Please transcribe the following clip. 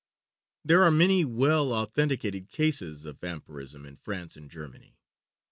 There are many well authenticated cases of vampirism in France and Germany.